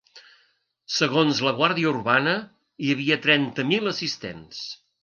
Segons la guàrdia urbana, hi havia trenta mil assistents.